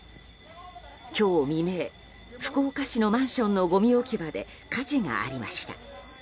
今日未明、福岡市のマンションのごみ置き場で火事がありました。